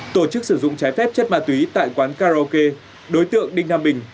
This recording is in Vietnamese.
tổ chức sử dụng trái phép chất ma túy tại quán karaoke đối tượng đinh nam bình